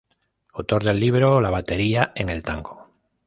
Autor del libro "La batería en el tango".